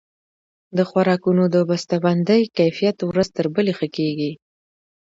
د خوراکونو د بسته بندۍ کیفیت ورځ تر بلې ښه کیږي.